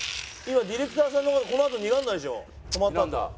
「今ディレクターさんの事このあと睨んだでしょ」